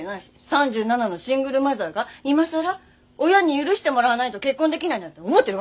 ３７のシングルマザーが今更親に許してもらわないと結婚できないなんて思ってるわけじゃない。